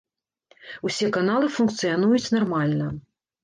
Усе каналы функцыянуюць нармальна.